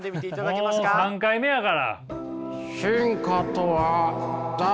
もう３回目やから。